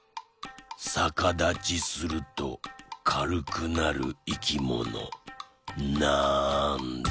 さかだちするとかるくなるいきものなんだ？